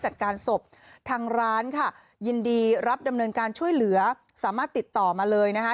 จัดการศพทางร้านค่ะยินดีรับดำเนินการช่วยเหลือสามารถติดต่อมาเลยนะคะ